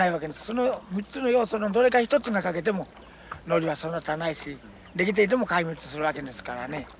その３つの要素のどれか一つが欠けてもノリは育たないし出来ていても壊滅するわけですからね。